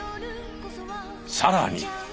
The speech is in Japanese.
さらに。